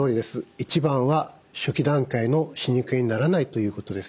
一番は初期段階の歯肉炎にならないということです。